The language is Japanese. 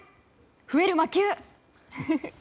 増える魔球。